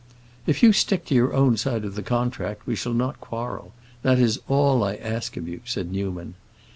"If you stick to your own side of the contract we shall not quarrel; that is all I ask of you," said Newman.